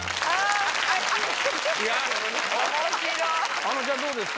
あのちゃんどうですか？